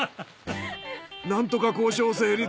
なんとか交渉成立。